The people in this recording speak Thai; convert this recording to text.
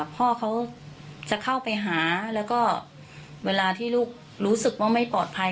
พ่อเขาจะเข้าไปหาแล้วก็เวลาที่ลูกรู้สึกว่าไม่ปลอดภัย